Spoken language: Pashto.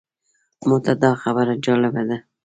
ماته دا خبره جالبه ده.